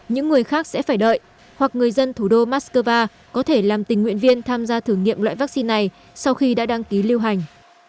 những người khác sẽ phải đợi hoặc người dân thủ đô moscow có thể làm tình nguyện viên tham gia thử nghiệm loại vaccine này sau khi đã đăng ký lưu hành